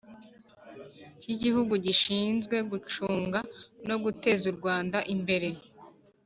cy Igihugu gishinzwe gucunga no guteza u Rwanda imbere